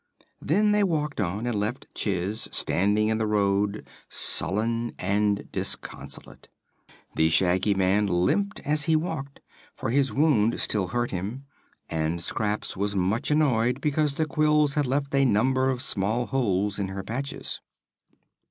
Then they walked on and left Chiss standing in the road sullen and disconsolate. The Shaggy Man limped as he walked, for his wound still hurt him, and Scraps was much annoyed because the quills had left a number of small holes in her patches.